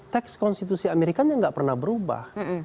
text konstitusi amerikanya tidak pernah berubah